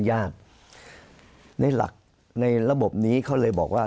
มุมนักวิจักรการมุมประชาชนทั่วไป